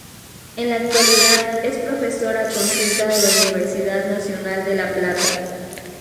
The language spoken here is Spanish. En la actualidad es Profesora Consulta de la Universidad Nacional de La Plata.